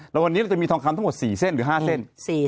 แล้ววันนี้เราจะมีทองคำทั้งหมด๔เส้นหรือ๕เส้น